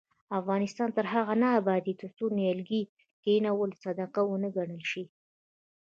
افغانستان تر هغو نه ابادیږي، ترڅو نیالګي کښینول صدقه ونه ګڼل شي.